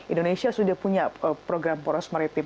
indonesia sudah punya program poros maritim